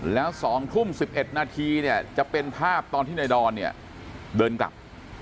แล้ว๒ทุ่ม๑๑นาทีเนี่ยจะเป็นภาพตอนที่ในดอนเนี่ยเดินกลับ